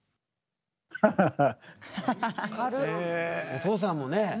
お父さんもね